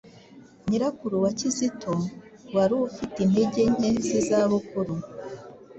nyirakuru wa Kizito wari ufite intege nke z'izabukuru.